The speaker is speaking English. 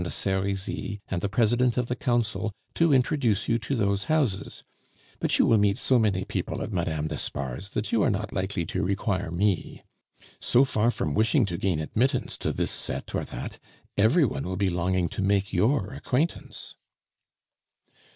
de Serizy, and the President of the Council to introduce you to those houses; but you will meet so many people at Mme. d'Espard's, that you are not likely to require me. So far from wishing to gain admittance to this set or that, every one will be longing to make your acquaintance."